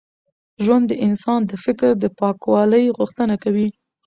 ژوند د انسان د فکر د پاکوالي غوښتنه کوي.